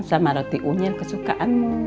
sama roti unyel kesukaanmu